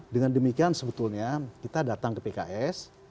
dengan demikian sebetulnya kita datang ke pks